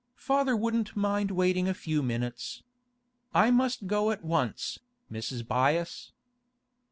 Father wouldn't mind waiting a few minutes. I must go at once, Mrs. Byass.